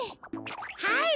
はい！